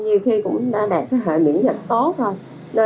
nhiều khi cũng đã đạt cái hệ miễn dịch tốt thôi